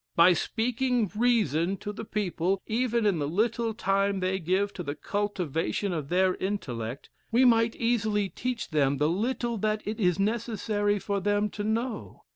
By speaking reason to the people, even in the little time they give to the cultivation of their intellect, we might easily teach them the little that it is necessary for them to know.